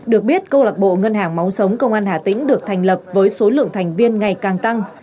được biết câu lạc bộ ngân hàng máu sống công an hà tĩnh được thành lập với số lượng thành viên ngày càng tăng